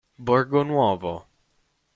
Borgo Nuovo